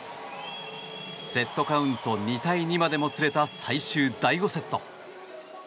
セットカウント２対２までもつれた、最終第５セット。